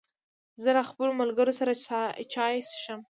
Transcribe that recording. زه له خپلو ملګرو سره چای څښم.